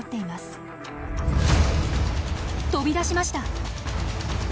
飛び出しました！